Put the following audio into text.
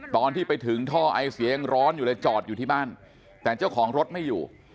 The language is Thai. ตอนที่ไปถึงท่อไอเสียยังร้อนอยู่เลยจอดอยู่ที่บ้านแต่เจ้าของรถไม่อยู่